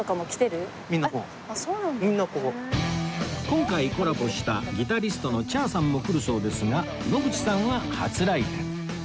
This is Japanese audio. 今回コラボしたギタリストの Ｃｈａｒ さんも来るそうですが野口さんは初来店